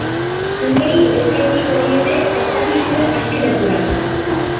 Umeei eskainiko diete ospakizunen azken eguna.